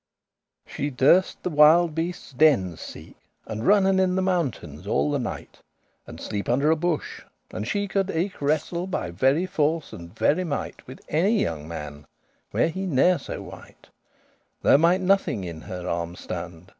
She durst the wilde beastes' dennes seek, And runnen in the mountains all the night, And sleep under a bush; and she could eke Wrestle by very force and very might With any young man, were he ne'er so wight;* *active, nimble There mighte nothing in her armes stond.